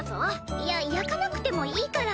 いや焼かなくてもいいから。